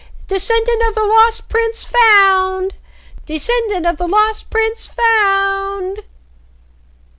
Descendant of the Lost Prince found! Descendant of the Lost Prince found!"